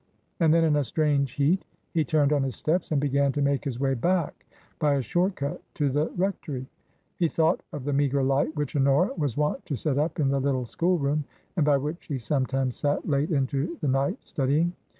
And then in a strange heat he turned on his steps and began to make his way back, by a short cut, to the rec tory. He thought of the meagre light which Honora was wont to set up in the little school room and by which she sometimes sat late into the night studying.